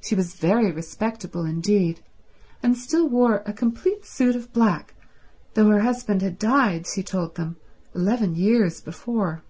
She was very respectable indeed, and still wore a complete suit of black though her husband had died, she told them, eleven years before.